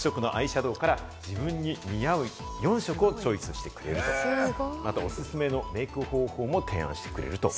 ２６色のアイシャドウから自分に似合う４色をチョイスしてくれる、またおすすめのメイク方法も提案してくれると。